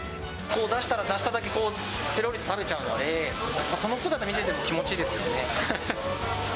出したら出しただけぺろりと食べちゃうので、その姿を見てても気持ちいいですよね。